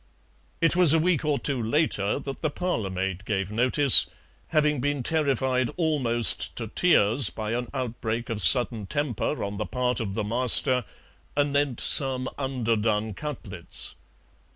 It was a week or two later that the parlour maid gave notice, having been terrified almost to tears by an outbreak of sudden temper on the part of the master anent some underdone cutlets.